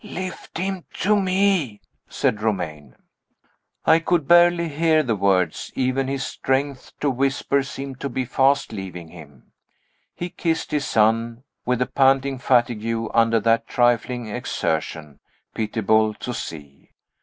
"Lift him to me," said Romayne. I could barely hear the words: even his strength to whisper seemed to be fast leaving him. He kissed his son with a panting fatigue under that trifling exertion, pitiable to see.